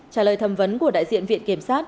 trả lời thẩm vấn của đại diện viện kiểm sát